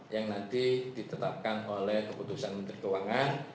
yang nanti ditetapkan oleh keputusan menteri keuangan